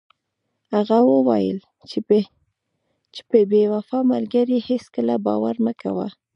هغه وویل چې په بې وفا ملګري هیڅکله باور مه کوه.